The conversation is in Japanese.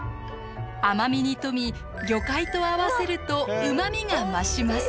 甘みに富み魚介と合わせるとうまみが増します。